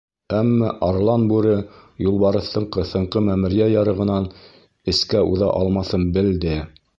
Әммә арлан бүре юлбарыҫтың ҡыҫынҡы мәмерйә ярығынан эскә уҙа алмаҫын белде.